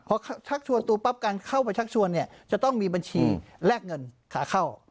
พอชักชวนตัวปั๊บการเข้าไปชักชวนเนี่ยจะต้องมีบัญชีแลกเงินขาเข้า